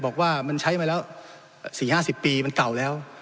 บอกว่ามันใช้มาแล้วสี่ห้าสิบปีมันเก่าแล้ว